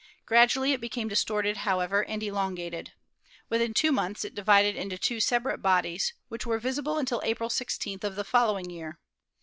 Grad ually it became distorted, however, and elongated. Within two months it divided into two separate bodies, which were visible until April 16th of the following year.